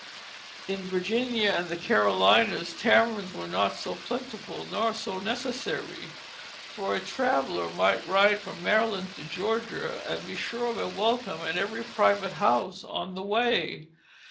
In Virginia and the Carolinas taverns were not so plentiful nor so necessary; for a traveller might ride from Maryland to Georgia, and be sure of a welcome at every private house on the way.